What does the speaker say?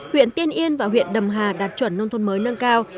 huyện tiên yên và huyện đầm hà đạt chuẩn nông thôn mới nâng cao